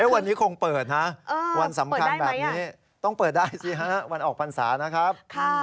วันนี้คงเปิดนะวันสำคัญแบบนี้ต้องเปิดได้สิฮะวันออกพรรษานะครับ